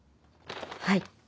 はい。